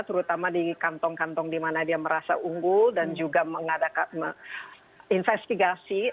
terutama di kantong kantong di mana dia merasa unggul dan juga mengadakan investigasi